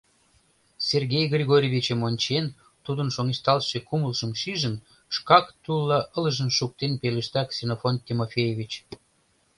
— Сергей Григорьевичым ончен, тудын шоҥешталтше кумылжым шижын, шкак тулла ылыжын шуктен пелешта Ксенофонт Тимофеевич.